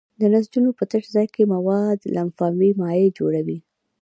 د نسجونو په تش ځای کې مواد لمفاوي مایع جوړوي.